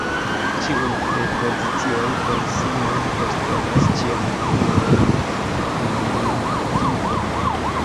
Ĉiuj prepozicioj per si mem postulas ĉiam nur la nominativon.